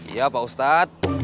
iya pak ustadz